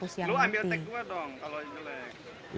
lu ambil teks gue dong kalau jelek